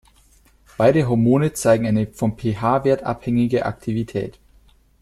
Beide Hormone zeigen eine vom pH-Wert abhängige Aktivität.